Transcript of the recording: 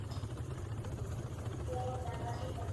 Tanto ella como Roger son bastante preocupados por sus perros.